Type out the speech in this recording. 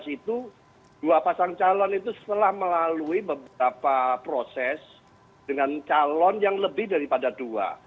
dua ribu dua pasang calon itu setelah melalui beberapa proses dengan calon yang lebih daripada dua